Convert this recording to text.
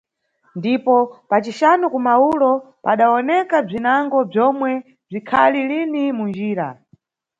Ndipo, pa cixanu ku maulo, padawoneka bzinango bzomwe bzikhali lini munjira.